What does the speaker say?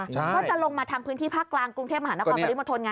ก็จะลงมาทางพื้นที่ภาคกลางกรุงเทพมหานครปริมณฑลไ